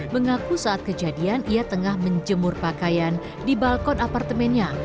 mengaku saat kejadian ia tengah menjemur pakaian di balkon apartemennya